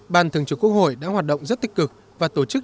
ban thường trực quốc hội đã hoạt động rất tích cực và tổ chức